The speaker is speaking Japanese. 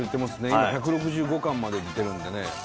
今１６５巻まで出てるんでね。